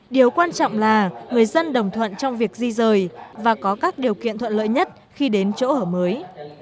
điều quan trọng là người dân đồng thuận trong việc di rời và có các điều kiện thuận lợi nhất khi đến chỗ ở mới